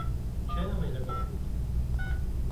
کێ ئەمەی لەگەڵ کردی؟